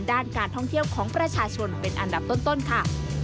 ด้านการท่องเที่ยวของประชาชนเป็นอันดับต้นค่ะ